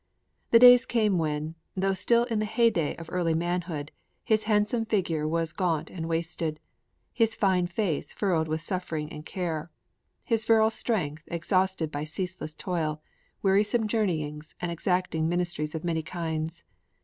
The days came when, though still in the heyday of early manhood, his handsome figure was gaunt and wasted; his fine face furrowed with suffering and care; his virile strength exhausted by ceaseless toil, wearisome journeyings, and exacting ministries of many kinds.